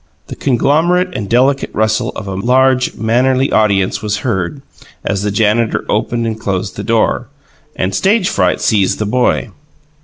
The conglomerate and delicate rustle of a large, mannerly audience was heard as the janitor opened and closed the door; and stage fright seized the boy.